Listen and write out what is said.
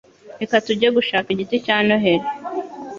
Reka tujye gushaka igiti cya Noheri